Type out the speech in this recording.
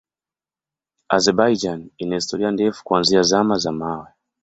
Azerbaijan ina historia ndefu kuanzia Zama za Mawe.